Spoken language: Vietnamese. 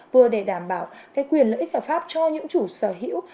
vừa để đảm bảo cái quyền lợi ích hợp pháp cho những chủ sở hữu